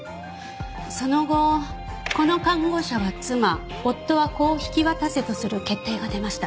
その後「子の監護者は妻夫は子を引き渡せ」とする決定が出ました。